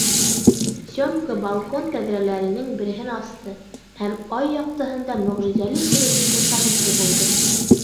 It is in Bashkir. Сёмка балкон тәҙрәләренең береһен асты һәм ай яҡтыһында мөғжизәле күренештең шаһиты булды.